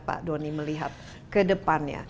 pak doni melihat ke depannya